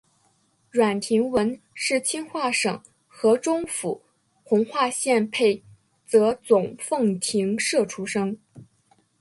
阮廷闻是清化省河中府弘化县沛泽总凤亭社出生。